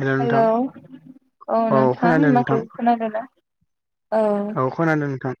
हेल' hello नोंथां औ नोंथां माथो खोनादोंना औ औ खोनादों नोंथां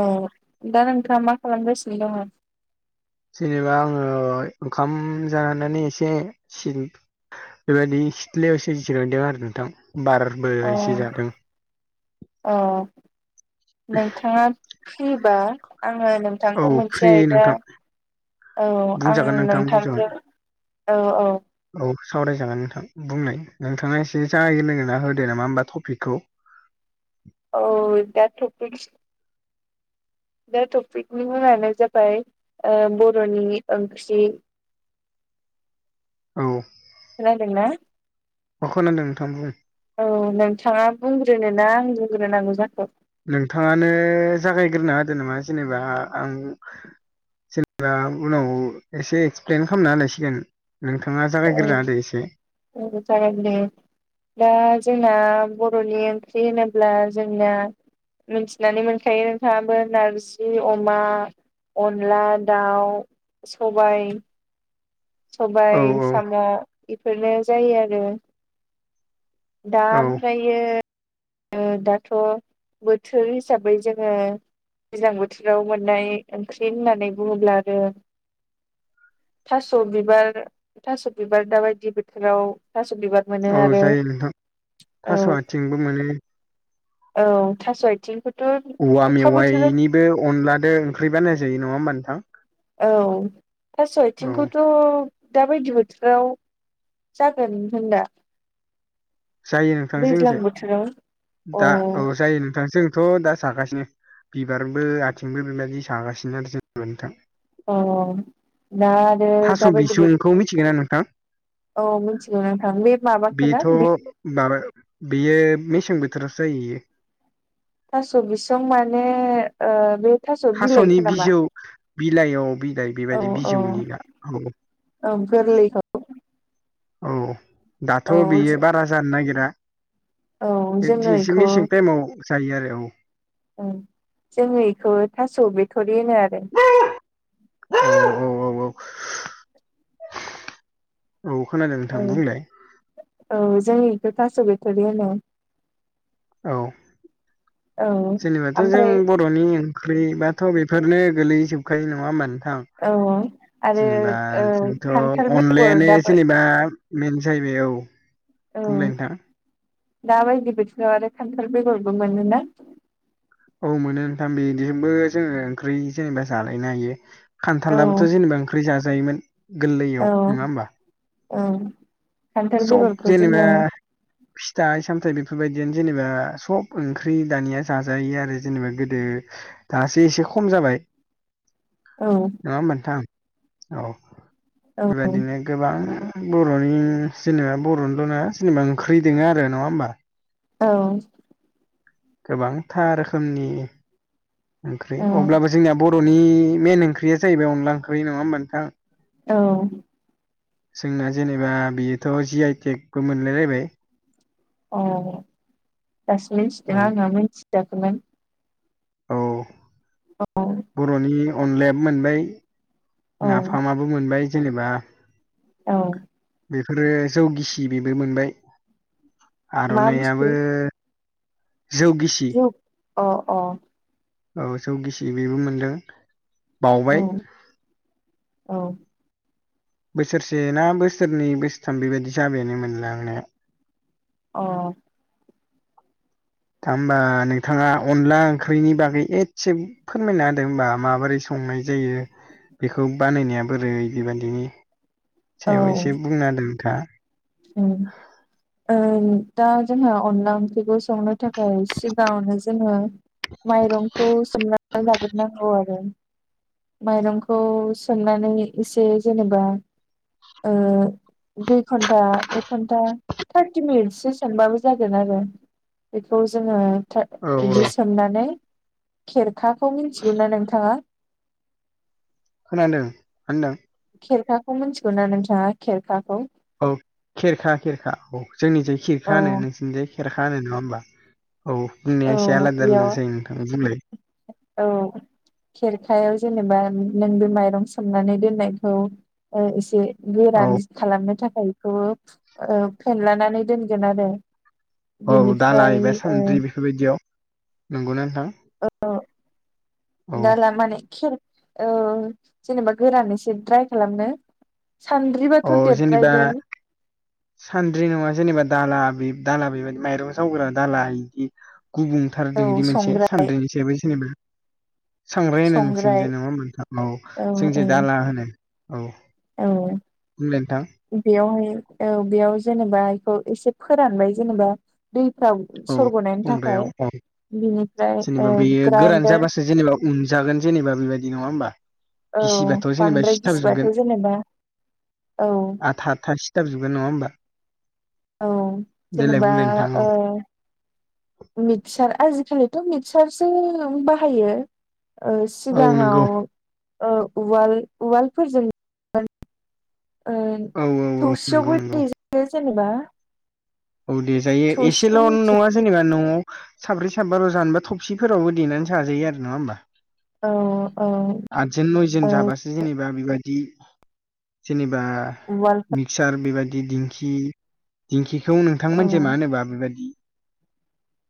औ दा नोंथांआ मा खालामगासिनो दङ? जेनोबा आङो ओंखाम जानानै एसे सिन बेबायदि सिथ्लायावसो एसे जिरायदों आरो नोंथां बारबो एसे जादों ओ नोंथांआ फ्रिबा आङो औ नोंथांखौ मोनसे फ्रि आयदा नोंथां औ आं बुंजागोन नोंथां बुंजागोन नोंथांजों औ औ औ सावरायजागोन नोंथां बुंनाय नोंथांआ एसे जागायजेनना होदो नामा होमबा टपिकखौ औ दा टपिकस दा टपिकनि मुंआनो जाबाय ओ बर'नि ओंख्रि औ खोनादोंना? अ खोनादों नोंथां बुं औ नोंथांआ बुंग्रोनो ना आं बुंग्रोनांगौ जाखो? नोंथांआनो जागायग्रोना होदो नामा जेनोबा आं जेनोबा उनाव एसे एक्सप्लेन खामना होनोसै आं नोंथांआ जागायग्रोना होदो‌ एसे उम जागायग्रोयो दा जोंना बर'नि ओंख्रि होनोब्ला जोंना मिथिनानै मोनखायो नोंथांआबो नारजि अमा अनला दाउ सबाय औ सबाय औ साम' इफोरनो जायो आरो दा औ आमफ्रायो ओ दाथ' बोथोर हिसाबै जोङो दैज्लां बोथोराव मोननाय ओंख्रि होननानै बुङोब्लानो थास' बिबार थास' बिबार दाबायदि बोथोराव थास' बिबार मोनो आरो औ जोंथिंबो मोनो औ थास' आइथिं फोर औवा मेवाइनिबो अनलादो ओंख्रि बानाय जायो नङा ओमबा नोंथां? औ थास' औ आइथिंखौथ' दा बायदि बोथोराव जागोन होनदा जायो नोंथां दैज्लां जोंनिजाय बोथोराव अ दा औ जायो नोंथां जों थ' दा जागासिनो बिबारबो आथिंबो बेबायदि सागासिनो आरो जेनबा नोंथां। अ दा आरो थास' दाबायदि बो बिसुंखौ मिथिगोना नोंथां? औ मिथिगौ नोंथां बे माबाखो बेथ' ना? माबा बेयो मेसें बोथोरावसो जायो इयो थास' बिसं माने ओ बे थास' बिलाइखौ नामा? बिलाइ औ बिलाइ बेबायदि बिजौनिया औ ओं गोरलैखौ औ दाथ' औ बेयो बारा जानो नागिरा औ जोङो एथ-एसे इखौ मेसें टाइमाव जायो आरो औ औ जोङो इखौ थास' बिथरि होनो आरो [inaudible] औ-औ-औ औ खोनादों नोंथां औ बुंलाय औ जों इखो थास' बिथरि होनो औ औ जेनेबाथ' जों ओमफ्राय बर' बर'नि ओंख्रिबाथ' बेफोरनो गोलैजोबखायो नङा होमबा नों थां औ आरो जेनेबा ओ जोंथ' खान्थाल बेगर अनलायानो दाबो जेनेबा मेन जायैबाय बुंलाय नोंथां दा बायदि बोथोराव आरो खान्थाल बेगरबो मोनोना औ मोनो नोंथां बेजोंबो जोङो ओंख्रि जेनेबा जालायनो हायो औ खान्थालाबोथ' जेनेबा ओं ख्रि जाजायोमोन औ गोरलैयाव नोङा होमबा औ खान्थाल सब बेगरखौ जेनेबा जोङो फिथाइ सामथाइ बेफोरबायदियानो जेनेबा सब ओंख्रि दानिया जाजायो आरो जेनेबा गोदो दासो एसे खम जाबाय। औ नङा होमबा थां औ औ बेबायदिनो गोबां बर'नि जेनिबा बर'नोल' नङा जेनेबा ओंख्रि दङो आरो नङा होमबा औ गोबांथा रोखोमनि ओंख्रि औ अब्लाबो जोंनिया बर' बर'नि मेन ओंख्रिया जाहैबाय अनला ओंख्रि नङा होमबा नोंथां औ जोंना जेनेबा बेयोथ' जि आइ टेकबो मोनलाय लायबाय अ दासो औ मिथिदों आङो मिथियाखैमोन औ औ बर'नि अनलायाबो मोनबाय औ नाफामाबो मोनबाय जेनेबा औ बेफोरो जौ गिसि बेबो मोनबाय मा आर'नाइयाबो बुस्थु जौ गिसि अ-अ औ जौ गिसि बेबो मोनदों औ बावबाय औ बोसोरसे ना बोसोरनै बोसोरथाम बेबायदि जाबायानो मोनलांनाया अ दा होमबा नोंथाङा अनला ओंख्रिनि बागै एसे फोरमायना होदों होमबा माबोरै संनाय जायो बेखौ बानायनाया बोरै बेबायदिनि सायाव एसे बुंना होदो नोंथाङा औ ओं दा जोंहा अनला ओंख्रिखौ संनो थाखाय सिगाङावनो जोङो माइरंखौ सोमनानै लाग्रोनांगौ आरो माइरंखौ सोमनानै एसे जेनेबा ओ दुइ घन घन्टा एक घन्टा थारर्टि मिनिटसो सोमबाबो जागोन आरो बेखौ जोङो था औ औ इदि सोमनानै खेरखाखौ मिथिगौ ना नोंथाङा खोनादों होनदों खिरखाखौ मिथिगौ ना नोंथाङा खेरखाखौ औ खेरखा खेरखा औ जोंनि जाय खिरखा औ होनो नोंसिनिजाय खे खेरखा होनो नङा होमबा औ औ बुंनाया एसे आलादा बेयाव आलादा जायो नोंथां बुंलाय औ खेरखायाव जेनेबा नों बे माइरं सोमनानै दोननायखौ एसे औ गोरान खालामनो थाखाय बेखौ फेनलानानै दोनगोन आरो औ दाला बिनिफ्राय एबा ओ सान्द्रि बेफोरबायदियाव नंगौना नोंथां औ औ दाला माने खेर औ जेनेबा गोरानै एसे ड्राय खालामनो औ सानद्रिबाथ' जेनेबा देरद्रायगोन सान्द्रि नङा जेनेबा दाला दाला बेबायदि माइरं जावग्रा दाला बिदि गुबुं आरो औ बिदि मोनसे संग्राय सान्द्रि हिसाबै जेनेबा सांग्राय होनो संग्राय नोंसोनिथिंजाय नङा होमबा औ जोंनिथिं दाला होनो औ औ बुंलाय नोंथां बेयावहाय औ बेयाव जेनेबा बेखौ एसे फोरानबाय जेनेबा दैफ्राव औ सरग'नायनि संग्रायाव थाखाय औ बिनिफ्राय ग्राइन्डार मोनजागोन जेनेबा बेबायदि नङा होनबा औ गिसिबाथ' जेनेबा बांद्राय सिथाबजोबगोन गिसिबाथ' जेनेबा औ आथा आथा सि सिथाबजोबगोन नङा होमबा औ देलाय जेनेबा बुंलाय नोंथां औ ओ मिक्चार आजिखालिथ' मिक्चारसो बाहायो औ सिगाङाव नंगौ उवाल उवालफोरजों औ औ औ नंगौ थौबसियावबो नंगौ देजायो जेनेबा औ देजायो थौसिखौ एसेल' मिथि नङा जेनेबा न'आव साब्रै साबा जानोबा थबसिफोरावबो देनानै जाजायो आरो नङा होमबा औ आतजोन औ नयजन जाबासो जेनेबा बेबायदि जेनेबा उवालफोर मिक्सार बेबायदि दिंखि दिंखिखौ औ नोंथांमोननिथिं मा होनोबा बेबायदि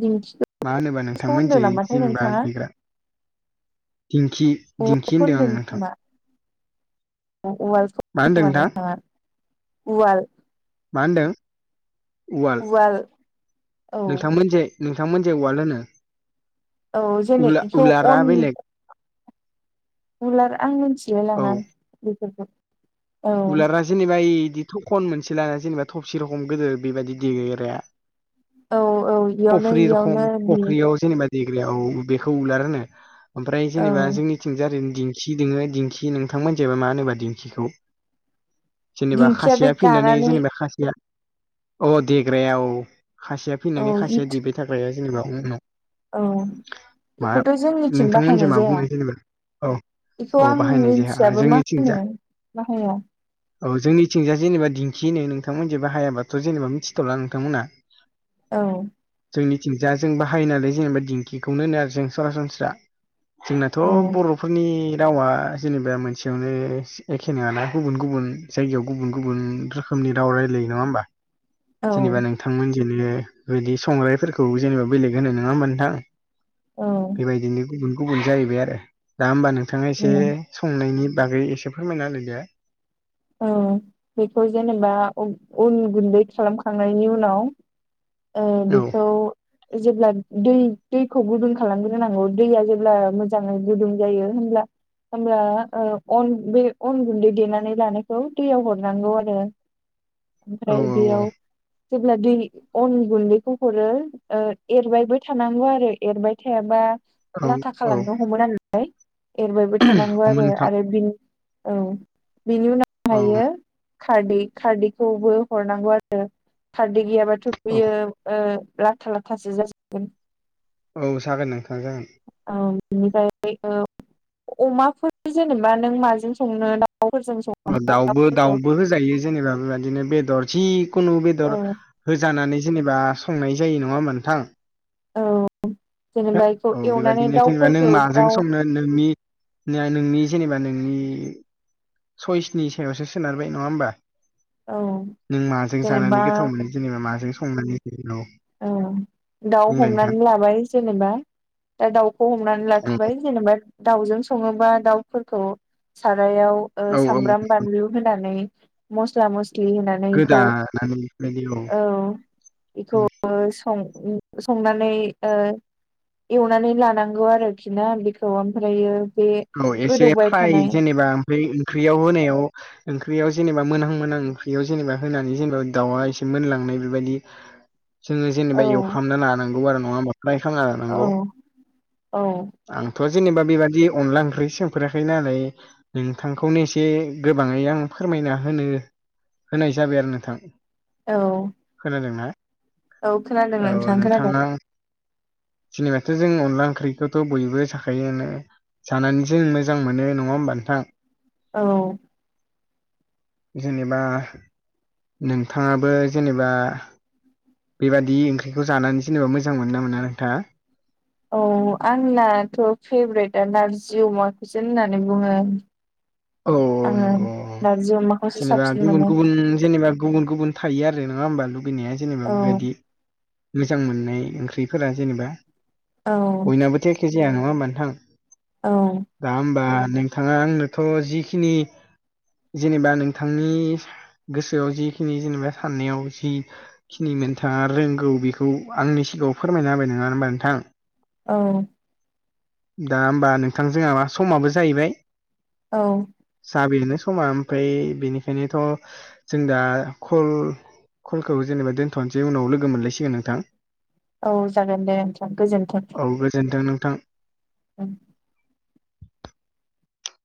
दिंखिखौ मा होनोबा नोंथांमोन होनदों निथिं नामाथाय जेनेबा नोंथाङा दिंखि दिंखि उवालखौ आं होनदों नोंथां खोमा उवालखौ मा होनदों खोमा नोंथां नोंथाङा उवाल मा होनदों उवाल औ नोंथांमोन नोंथांमोनथिं उवाल होनो औ जेनै उलार बेखौ उलारा अन बेलेग उलार आं मिथिलाय औ लाङा बेफोरखौ औ उलारा जेनेबा इदि थखन मोनसे लाना जेनेबा थबसे रखम गोदो बेबायदि देग्राया औ औ इयावनो खफ्रि इयावनो रखम देयो खफ्रियाव जेनेबा देग्रायाव औ बेखौ उलार बुङो ओमफ्राय औ जेनेबा जोंनि थिंजा दिंखि दङो दिंखि नोंथांमोननिथिंबा मा होनोबा दिंखिखौ जेनेबा दिंखिया बे खासेया फैनानै गानानै जेनेबा खासेया अ देग्रायाव खासिआ औ फैनानै खासिआ इथ देबाय थाग्राया जेनोबा उनाव औ मा बेखौथ' जोंनिथिं नोंथांमोनजों बाहायनाय मा जाया बुङो जेनेबा औ बेखौ औ आं बाहायनाय जाया मोन्थिआबो मा होनो जोंनिथिंजा मा होनो औ जोंनिथिंजा जेनोबा दिंखि होनो नोंथांमोना हायाब्लाथ' जेनोबा मिथिथ'ला नोंथांमोना औ जोंनिथिंजा जों बाहायो नालाय जेनोबा दिंखिखौनो होनो आरो जों सरासनस्रा जोंनाथ' औ बर'फोरनि रावा जेनोबा मोनसेआवनो एखे नङाना गुबुन गुबुन जायगायाव गुबुन गुबुन रोखोमनि राव रायलायो नङा होमबा औ जेनोबा नों नोंथांमोनजोंनो बिदि संग्राइफोरखौ जेनोबा बेलेग होनो नङा होनबा नोंथां औ बेबायदिनो गुबुन गुबुन जायैबाय आरो दा होमबा नोंथांआ एसे उम संनायनि बागै एसे फोरमायना होलाय दे औ बेखौ जेनोबा अन गुन्दै खालामखांनायनि उनाव ओ औ बेखौ जेब्ला दै दैखौ गुदुं खालामग्रोनांगौ दैया जेब्ला मोजांयै गुदुं जायो होनब्ला होनो ओ अन बे अन गुन्दै देनानै लानाय खौ दैयाव हरनांगौ आरो औ आमफ्राय बेयाव जेब्ला दै अन गुन्दैखौ हरो ओ एरबायबो थानांगौ आरो एरबाय थायाबा औ लाथा औ खालांनो हमो नालाय एरबायबो थानांगौ औ आरो नोंथां आरो बिनि औ बेनि औ उनावाहायो खारदि खारदिखौबो हरनांगौ आरो खारदि गैयाबाथ' औ बियो ओ लाथा लाथासो जासिगोन औ जागोन नोंथां जागोन ओ आमफ्रायबो अमाफोर जेनोबा नों माजों संनो दाउफोरजों संनो ओ दाउबो दाउबो होजायो जेनोबा बेबादिनो बेदर जि खुनु बेदर औ होजानानै जेनोबा संनाय जायो नङा नोंथां औ जेनेबा बेखौ औ एवनानै बेबायदिनो जेनोबा नों दाउफोरखौ माजों दाउ संनो नोंनि नोंनि जेनोबा नोंनि सयसनि सायावसो सोनारबाय नङा होमबा औ नों माजों जेनेबा जानानै गोथाव मोनो जेनेबा माजों संनानै औ औ दाउ बुंलाय नोंथां हमनानै लाबाय जेनोबा दा दावखौ हमनानै लाबाय जेनोबा दाउजों सङोबा दाउफोरखौ सारायाव ओ औ औ सामब्राम बानलु होनानै मस्ला मस्लि होनानै बेखौ गोदानानै बेबायदि औ बेखौ सं संनानै ओ एवनानै लानांगौ आरोखि ना बेखौ आमफ्रायो औ एसे फ्राय जेनोबा ओमफ्राय ओंख्रिआव होनायाव ओंख्रिआव जेनोबा मोनहां मोनहां ओंख्रिआव जेनोबा होनानै जेनोबा दाउआ एसे मोनलांनाय बेबायदि [inaudible] जोङो जेनोबा औ एवफ्रामना लानांगौ आरो नङा फ्राय खालामना औ लानांगौ औ आंथ' जेनोबा बेबादि अनला ओंख्रि सोंफेराखै नालाय नोंथांखौनो एसे गोबांयै आं फोरमायना होनो होनाय जाबाय आरो नोंथां औ खोनादोंना औ खोनादों औ नोंथां खोनादों नोंथांना जिनोबा थ' जों अनला ओंख्रिखौथ' बयबो साखायोआनो जानानै जों मोजां मोनो नङा होमबा नोंथां औ जेनोबा नोंथाङाबो जेनेबा बेबायादि ओंख्रिखौ जानानै जेनेबा मोजां मोनोना मोना नोंथाङा औ आंनाथ फेभरेटआ नारजि अमाखौसो होननानै बुङो औ आङो नंगौ नारजि अमाखौसो जेनेबा साबसिन गुबुन मोनो गुबुन जेनेबा गुबुन गुबुन थायो आरो नोङा होमबा लुगैनाया औ जेनेबा बेबायदि मोजां मोननाय ओंख्रिफोरा जेनेबा औ बयनावाबोथ एखे जाया नङा होमबा नोथां औ दा होमबा नोंथाङा आंनोथ जिखिनि जेनेबा नोंथांनि गोसोआव जिखिनि जेनेबा साननायाव जि खिनि मोनथाङा रोंगौ बेखौ आंनि सिगाङाव फोरमायना हाबाय नङा होमबा नोंथां औ दा होमबा नोंथां जोंहा मा समाबो जाहैबाय औ जाबायानो समा ओमफ्राय बेनिखायनोथ जों दा खल कलखौबो जेनेबा दोनथनोसै उनाव लोगो मोनलायसिगोन नोंथां औ जागोन दे नोंथां गोजोनथों औ गोजोन्थों नोंथां उम